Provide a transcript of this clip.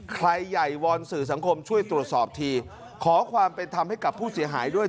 ใครใหญ่วอนสื่อสังคมช่วยตรวจสอบทีขอความเป็นธรรมให้กับผู้เสียหายด้วย